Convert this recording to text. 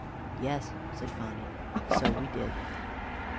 "Yes," said Phonny, "so we did."